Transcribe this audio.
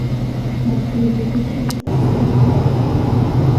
Han skulle bli förtjust att få träffa dig.